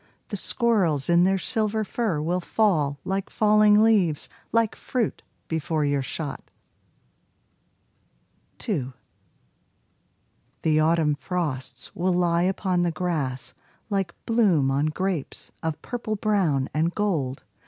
The squirrels in their silver fur will fall Like falling leaves, like fruit, before your shot. 2 The autumn frosts will lie upon the grass Like bloom on grapes of purple brown and gold.